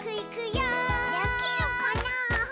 できるかなぁ？